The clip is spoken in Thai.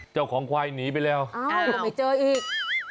เจ้าของควายหนีไปแล้วก็ไม่เจออีก